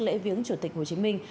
lễ viếng chủ tịch hồ chí minh